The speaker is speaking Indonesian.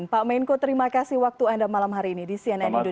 pak menko terima kasih waktu anda malam hari ini di cnn indonesia